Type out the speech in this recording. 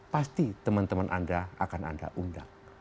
pasti teman teman anda akan anda undang